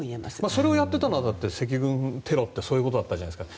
それをやっていたのは赤軍テロってそうだったじゃないですか。